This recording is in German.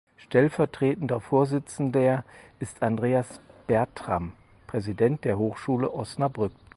Stellvertretender Vorsitzender ist Andreas Bertram (Präsident der Hochschule Osnabrück).